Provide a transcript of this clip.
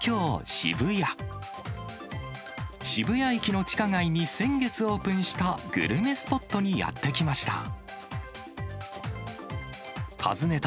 渋谷駅の地下街に先月オープンしたグルメスポットにやって来ました。